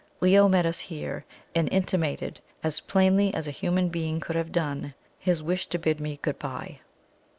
Leo met us here, and intimated, as plainly as a human being could have done, his wish to bid me good bye.